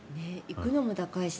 行くのも高いし。